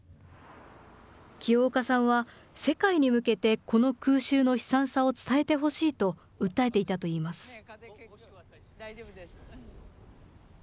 清岡さんは世界に向けてこの空襲の悲惨さを伝えてほしいと訴えていたといいます。